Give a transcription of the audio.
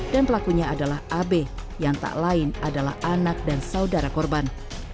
dan pelakunya adalah abe yang tak lain adalah anak dan saudara korban